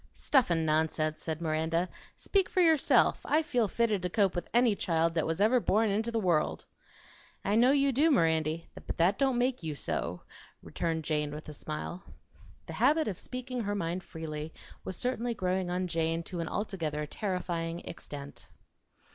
"Stuff an' nonsense!" said Miranda "Speak for yourself. I feel fitted to cope with any child that ever was born int' the world!" "I know you do, Mirandy; but that don't MAKE you so," returned Jane with a smile. The habit of speaking her mind freely was certainly growing on Jane to an altogether terrifying extent.